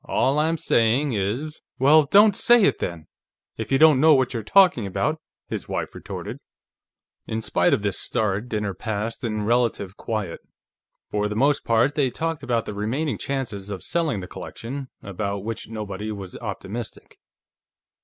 All I'm saying is " "Well, don't say it, then, if you don't know what you're talking about," his wife retorted. In spite of this start, dinner passed in relative quiet. For the most part, they talked about the remaining chances of selling the collection, about which nobody was optimistic.